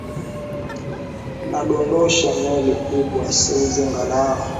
Nadondosha meli kubwa seuze ngalawa.